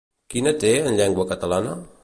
Quina té en llengua catalana?